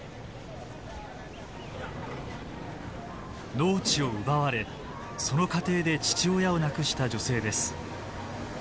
農地を奪われその過程で父親を亡くした女性です。